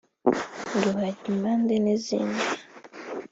rubagimpande n’izindi